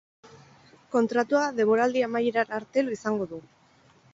Kontratua denboraldi amaierara arte izango du.